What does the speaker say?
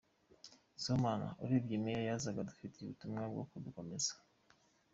Sibomana: Urebye meya yazaga adufitiye ubutumwa bwo kudukomeza.